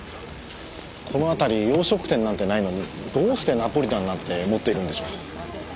この辺り洋食店なんてないのにどうしてナポリタンなんて持っているんでしょう？